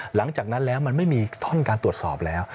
หลังจากนั้นแล้วมันไม่มีท่อนการตรวจสอบแล้ว